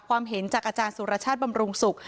ความเห็นจากอาจารย์สุรชาติบำรุงสุข